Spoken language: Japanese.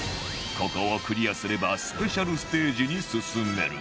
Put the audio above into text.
ここをクリアすれば ＳＰ ステージに進めるが